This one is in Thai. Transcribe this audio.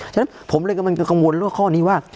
ฉะนั้นผมเลยอะมันกับคำว่านี่ว่า